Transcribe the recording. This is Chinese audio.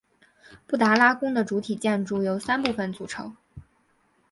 布达拉宫的主体建筑由三部分组成。